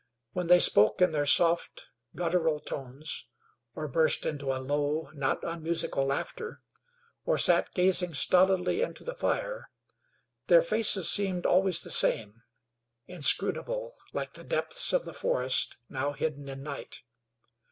When they spoke in their soft, guttural tones, or burst into a low, not unmusical laughter, or sat gazing stolidly into the fire, their faces seemed always the same, inscrutable, like the depths of the forest now hidden in night.